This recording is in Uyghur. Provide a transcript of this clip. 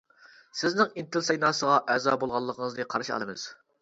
سىزنىڭ ئىنتىل سەيناسىغا ئەزا بولغانلىقىڭىزنى قارشى ئالىمىز.